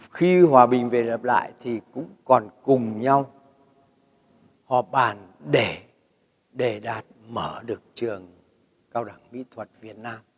khi hòa bình về lập lại thì cũng còn cùng nhau họp bàn để đạt mở được trường cao đẳng mỹ thuật việt nam